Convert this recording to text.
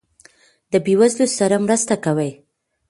د بې وزلو سره مرسته کوئ؟